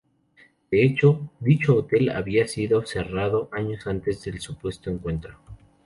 De hecho, dicho hotel había sido cerrado años antes del supuesto encuentro.